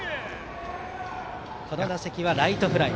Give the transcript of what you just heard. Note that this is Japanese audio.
真鍋はこの打席はライトフライ。